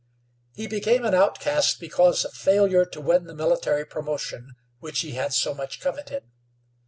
He became an outcast because of failure to win the military promotion which he had so much coveted.